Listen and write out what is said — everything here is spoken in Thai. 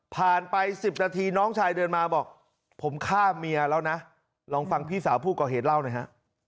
ไป๑๐นาทีน้องชายเดินมาบอกผมฆ่าเมียแล้วนะลองฟังพี่สาวผู้ก่อเหตุเล่าหน่อยฮะ